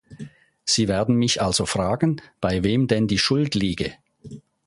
Sie werden mich also fragen, bei wem denn die Schuld liege.